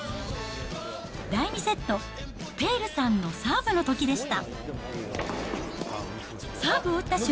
第２セット、ペールさんのサーブのときでした。